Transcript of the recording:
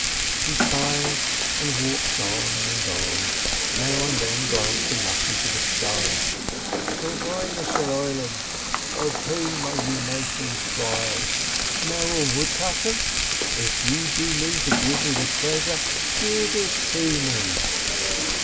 He sighs and walks on and on, now and then glancing up into the sky : "Lord of the Universe, of whom are you making trial? Shmerel Woodcutter? If you do mean to give me the treasure, give it me!"